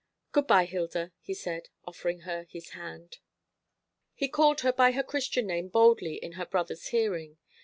"Good bye, Hilda," he said, offering her his hand. He called her by her Christian name boldly in her brother's hearing.